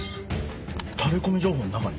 タレコミ情報の中に？